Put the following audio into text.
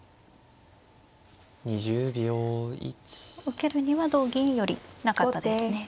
受けるには同銀よりなかったですね。